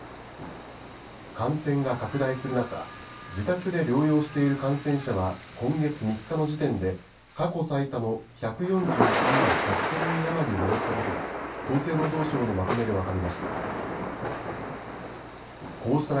感染が拡大する中、自宅で療養している感染者は、今月３日の時点で過去最多の１４３万８０００人余りに上ったことが、厚生労働省のまとめで分かりました。